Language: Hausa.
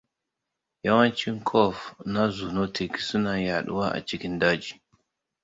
Yawancin CoV na zoonotic suna yaduwa a cikin daji.